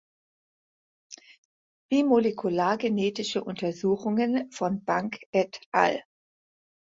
Wie molekulargenetische Untersuchungen von Bank et al.